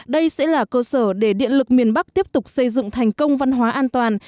đây sẽ là cơ sở để điện lực miền bắc tiếp tục xây dựng thành công văn hóa an toàn